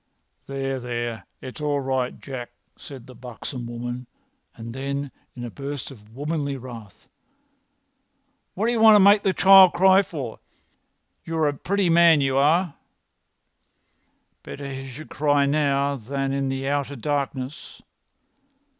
"There, there! It's all right, Jack," said the buxom woman, and then, in a burst of womanly wrath, "What d'you want to make the child cry for? You're a pretty man, you are!" "Better he should cry now than in the outer darkness.